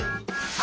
あ！